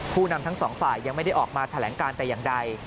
ผู้นำทั้งสองฝ่ายยังไม่ได้ออกมาแถลงการแต่อย่างใด